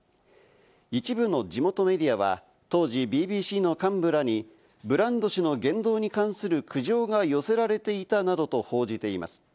一部の地元メディアは当時ＢＢＣの幹部らにブランド氏の言動に関する苦情が寄せられていたなどと報じています。